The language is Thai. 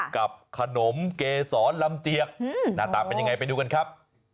กับขนมเกษรลำเจียกหน้าตาเป็นยังไงไปดูกันครับ